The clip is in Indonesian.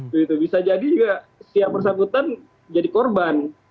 begitu bisa jadi juga si yang bersangkutan jadi korban